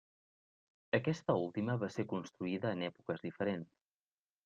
Aquesta última va ser construïda en èpoques diferents.